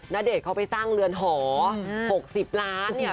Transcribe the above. ณเดชน์เขาไปสร้างเรือนหอ๖๐ล้านเนี่ย